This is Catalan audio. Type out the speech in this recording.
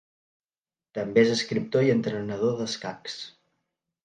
També és escriptor i entrenador d'escacs.